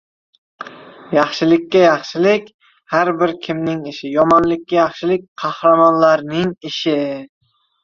• Yaxshilikka yaxshilik — har kimning ishi, yomonlikka yaxshilik — qahramonlar ishi.